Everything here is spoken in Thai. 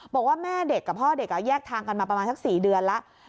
บอกว่าแม่เด็กกับพ่อเด็กแยกทางกันมาประมาณสัก๔เดือนแล้ว